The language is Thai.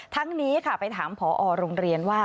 ทั้งนี้ค่ะไปถามผอโรงเรียนว่า